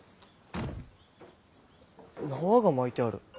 縄が巻いてある。